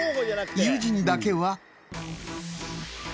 友人だけは。